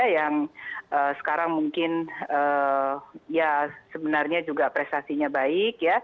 yang sekarang mungkin sebenarnya juga prestasinya baik